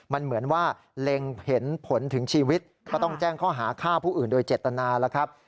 มันเหมือนว่าเล็งเห็นผลถึงชีวิตก็ต้องแจ้งข้อหาฆ่าผู้อื่นโดยเจตนาแล้วครับ